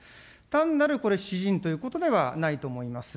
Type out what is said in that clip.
単なる私人ということではないと思います。